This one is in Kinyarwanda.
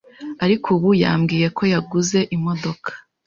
ariko ubu yambwiye ko yaguze imodoka